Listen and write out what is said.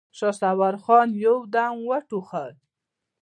شهسوار خان يودم وټوخل.